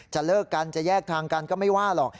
เลิกกันจะแยกทางกันก็ไม่ว่าหรอก